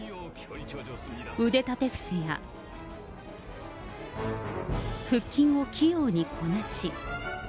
腕立てふせや、腹筋を器用にこなし。